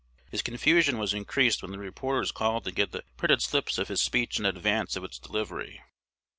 His confusion was increased when the reporters called to get the printed slips of his speech in advance of its delivery.